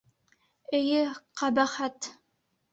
— Эйе, ҡәбәхәт!